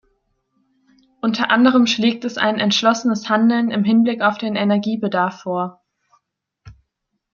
Unter anderem schlägt es ein entschlossenes Handeln im Hinblick auf den Energiebedarf vor.